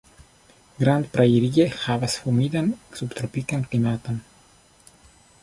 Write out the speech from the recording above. Grand Prairie havas humidan subtropikan klimaton.